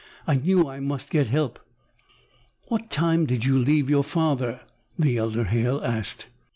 I knew I must get help." "What time did you leave your father?" the elder Halle asked.